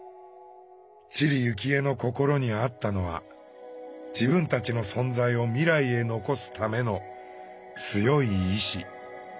知里幸恵の心にあったのは自分たちの存在を未来へ残すための強い意思。